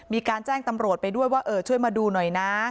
มีการแจ้งตำรวจไปด้วยว่าช่วยมาดูหน่อยนะ